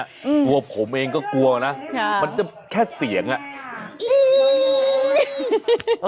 ตัวผมเองก็กลัวนะมันจะแค่เสียงอ่ะ